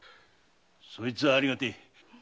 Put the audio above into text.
そいつはありがてえ。